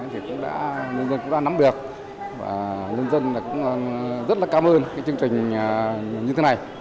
thì cũng đã ngư dân cũng đã nắm được và ngư dân cũng rất là cảm ơn cái chương trình như thế này